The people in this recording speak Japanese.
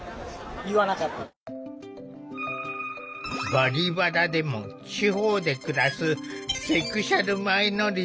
「バリバラ」でも地方で暮らすセクシュアルマイノリティー